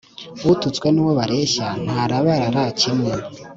ututswe n'uwo bareshya ntarababara kimwe